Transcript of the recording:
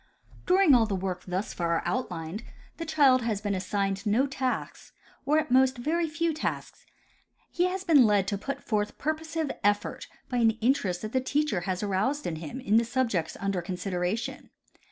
During all the work thus far outlined the child has been assigned no tasks, or at most very few tasks. He has been led to put forth purposive effort by an interest that the teacher has aroused in him in the subjects under consideration.